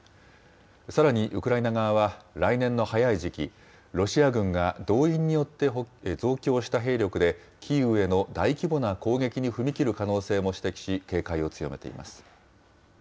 さらにウクライナ側は、来年の早い時期、ロシア軍が動員によって増強した兵力で、キーウへの大規模な攻撃に踏み切る可能性も指摘し、警戒を強めています。